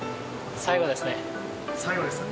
最後ですか？